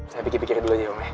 saya pikir pikir dulu aja om ya